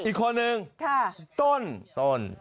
อีกคนนึงต้นต้น